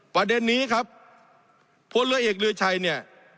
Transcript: ประเด็นนี้พ่บเมืองเอกเรือไชน์เนี่ย